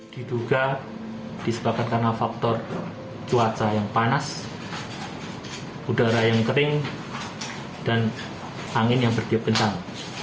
diduga disebabkan karena faktor cuaca yang panas udara yang kering dan angin yang bertiup kencang